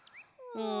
うん。